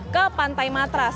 ke pantai matras